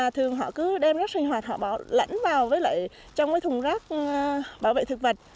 thường họ cứ đem rác sinh hoạt họ lẫn vào trong thùng rác bảo vệ thực vật